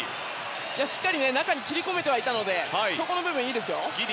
しっかり中に切り込めていたのでいいですよ。